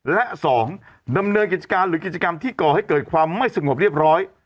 และ๒ดำเนินกิจการหรือกิจกรรมที่ก่อให้เกิดความไม่สงบเรียบร้อย